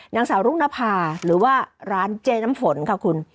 นางสาวรุ่งนภาหรือว่าร้านเจ๊น้ำฝนค่ะคุณ